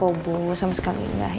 ibu kan juga udah sering banyak membantu